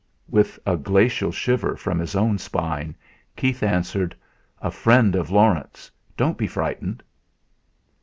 With a glacial shiver down his own spine, Keith answered "A friend of Laurence. Don't be frightened!"